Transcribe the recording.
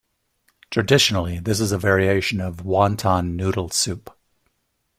Traditionally this is a variation of wonton noodle soup.